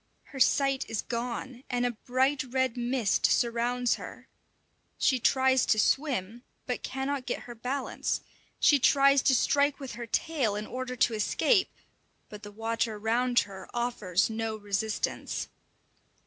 Her sight is gone, and a bright red mist surrounds her. She tries to swim, but cannot get her balance; she tries to strike with her tail in order to escape, but the water round her offers no resistance.